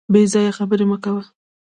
بې ځایه خبري مه کوه .